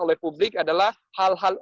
oleh publik adalah hal hal